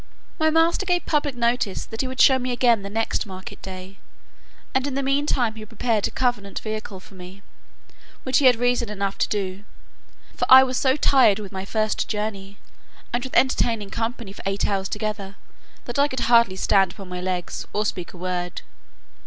My master gave public notice that he would show me again the next market day; and in the meantime he prepared a convenient vehicle for me, which he had reason enough to do; for I was so tired with my first journey, and with entertaining company for eight hours together, that I could hardly stand upon my legs, or speak a word.